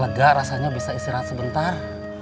lega rasanya bisa istirahat sebentar